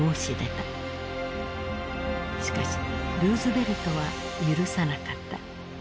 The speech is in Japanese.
しかしルーズベルトは許さなかった。